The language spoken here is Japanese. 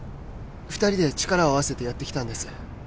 ２人で力を合わせてやってきたんです